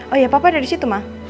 oh iya papa ada disitu ma